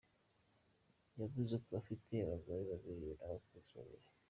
Yavuze ko afite abagore babiri n’abakunzi babiri.